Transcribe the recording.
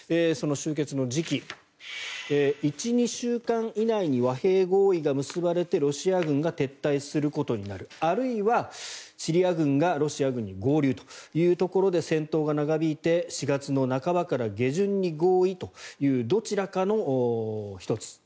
その終結の時期１２週間以内に和平合意が結ばれてロシア軍が撤退することになるあるいはシリア軍がロシア軍に合流というところで戦闘が長引いて４月の半ばから下旬に合意というどちらかの１つ。